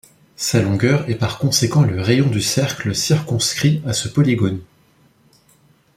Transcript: Sa longueur est par conséquent le rayon du cercle circonscrit à ce polygone.